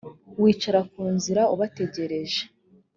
wicaraga ku nzira ubategereje